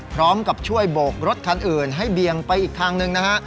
พร้อมกับช่วยโบกรถคันอื่นให้เบียงไปอีกทางหนึ่งนะฮะ